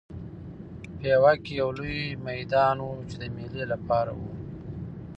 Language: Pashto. پېوه کې یو لوی میدان و چې د مېلې لپاره و.